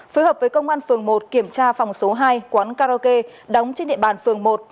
phối hợp với công an phường một kiểm tra phòng số hai quán karaoke đóng trên địa bàn phường một